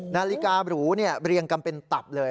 นาฬิกาหรูเนี่ยเรียงกำเป็นตับเลย